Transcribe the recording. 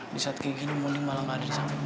di saat kayak gini mondi malah gak ada di samping mama